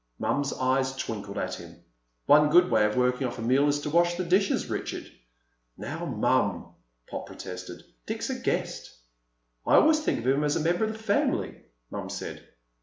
Mom's eyes twinkled at him. "One good way of working off a meal is to wash the dishes, Richard." "Now, Mom," Pop protested. "Dick's a guest." "I always think of him as a member of the family," Mom said.